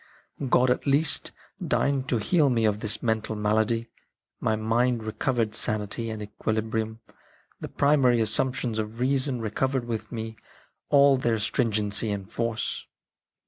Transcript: God at last deigned to heal me of this mental malady ; my mind recovered sanity and equili brium, the primary assumptions of reason re covered with me all their stringency and force.